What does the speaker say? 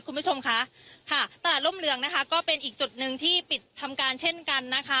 คุณผู้ชมค่ะค่ะตลาดร่มเหลืองนะคะก็เป็นอีกจุดหนึ่งที่ปิดทำการเช่นกันนะคะ